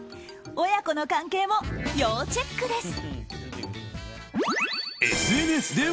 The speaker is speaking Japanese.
親子の関係も要チェックです。